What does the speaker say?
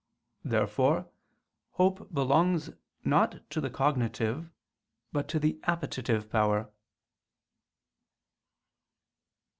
Therefore hope belongs, not to the cognitive, but to the appetitive power.